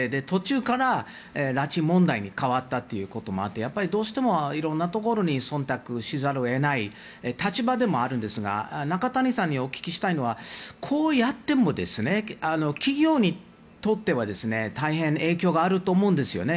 途中から拉致問題に変わったということもあってどうしてもいろいろなところに忖度せざるを得ない立場でもあるんですが中谷さんにお聞きしたいのは企業にとっては大変影響があると思うんです。